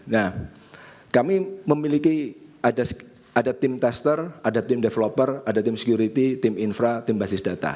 nah kami memiliki ada tim tester ada tim developer ada tim security tim infra tim basis data